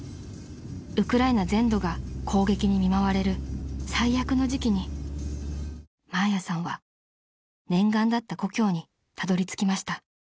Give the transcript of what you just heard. ［ウクライナ全土が攻撃に見舞われる最悪の時期にマーヤさんは念願だった故郷にたどりつきました］